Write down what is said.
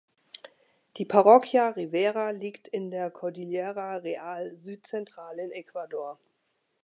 Die Parroquia Rivera liegt in der Cordillera Real südzentral in Ecuador.